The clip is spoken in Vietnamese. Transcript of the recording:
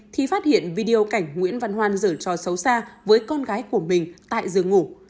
thì phát hiện video cảnh nguyễn văn hoan dở cho xấu xa với con gái của mình tại giường ngủ